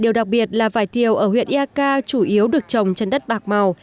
điều đặc biệt là vải thiều ở huyện ea ca chủ yếu được trồng trên đất bạc màu